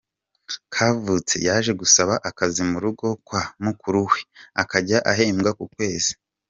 Kavutse yaje gusaba akazi mu rugo kwa mukuru we, akajya ahembwa ku kwezi.